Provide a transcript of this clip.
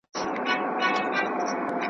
تر بدو ښه وي چي کړی نه کار .